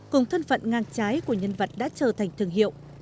cùng thân phận ngang trái của nhân vật đã trở thành thương hiệu